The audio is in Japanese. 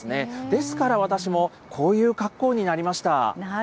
ですから私も、こういう格好になりました。